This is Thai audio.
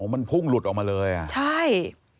มันพุ่งหลุดออกมาเลยอ่ะใช่